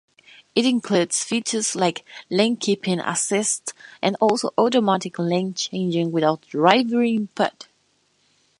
It includes features like lane-keeping assist and also automatic lane changing without driver input.